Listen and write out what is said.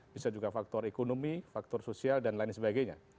bisa juga faktor ekonomi faktor sosial dan lain sebagainya